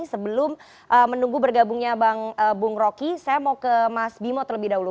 sebelum menunggu bergabungnya bang bung roky saya mau ke mas bimo terlebih dahulu